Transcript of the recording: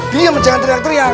diam jangan teriak teriak